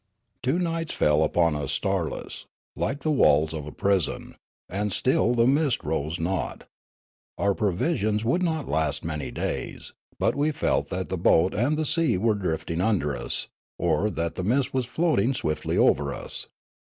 Two nights fell upon us starless, like the walls of a prison, and still the mist rose not. Our provisions would not last mau)^ days ; but we felt that the boat and the sea were drifting under us, or that the mist was floating swifth' over us.